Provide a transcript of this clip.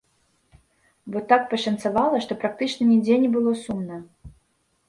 Бо так пашанцавала, што практычна нідзе не было сумна.